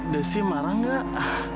desi marah nggak